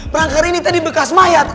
perangkat ini tadi bekas mayat